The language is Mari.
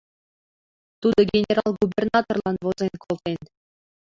Тудо генерал-губернаторлан возен колтен.